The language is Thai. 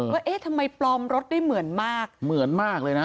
เอ๊ะทำไมปลอมรถได้เหมือนมากเหมือนมากเลยนะ